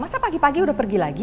masa pagi pagi udah pergi lagi